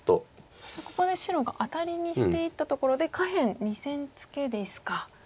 ここで白がアタリにしていったところで下辺２線ツケですか。